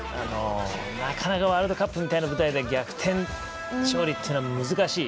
なかなかワールドカップみたいな舞台で逆転勝利というのは難しい。